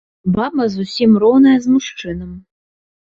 Баба зусім роўная з мужчынам.